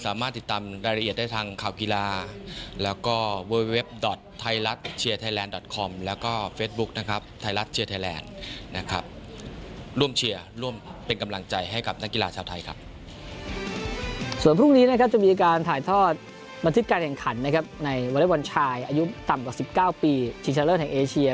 อายุต่ำกว่า๑๙ปีชิงชะเลิศแห่งเอเชีย